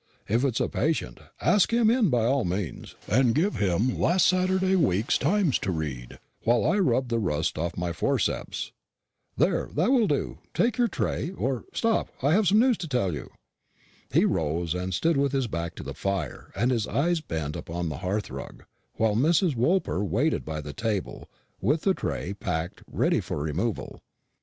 If it's a patient, ask him in, by all means, and give him last Saturday week's Times to read, while I rub the rust off my forceps. There, that will do; take your tray or, stop; I've some news to tell you." He rose, and stood with his back to the fire and his eyes bent upon the hearthrug, while Mrs. Woolper waited by the table, with the tray packed ready for removal.